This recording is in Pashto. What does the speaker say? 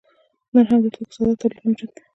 نن هم د توکو ساده تولید موجود دی.